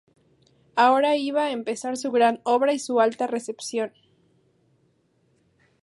Ahora iba a empezar su gran obra y su alta recepción.